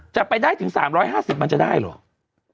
จะไปได้ถึง๓๕๐มันจะได้เหรอ